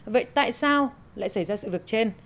vậy tại sao lại xảy ra sự việc trên